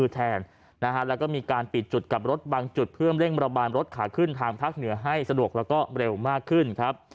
แล้วมีการปิดจุดกับรถบางจุดเพื่อเล่งบรบาลรถขาขึ้นทางถ้าเหนือให้สลวกมากขึ้น